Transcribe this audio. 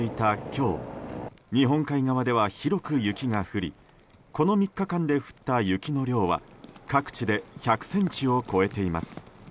日本海側では広く雪が降りこの３日間で降った雪の量は各地で１００ｃｍを超えています。